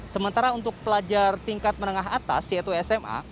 sementara untuk pelajar tingkat menengah atas yaitu sma